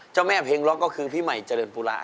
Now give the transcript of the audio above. เจ้าแม่เพลงล็อกก็คือพี่ใหม่เจริญปุระ